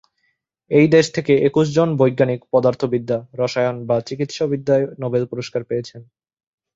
এই দেশ থেকে একুশ জন বৈজ্ঞানিক পদার্থবিদ্যা, রসায়ন বা চিকিৎসাবিদ্যায় নোবেল পুরস্কার পেয়েছেন।